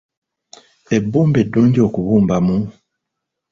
Ebbumba eddungi okubumbamu?